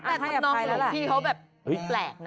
น้องผู้ชายเขาแบบแปลกนะ